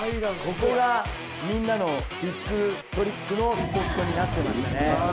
ここがみんなのビッグトリックのスポットになってましたね。